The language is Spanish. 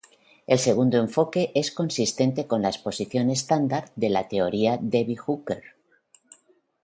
El segundo enfoque es consistente con la exposición estándar de la teoría de Debye-Hückel.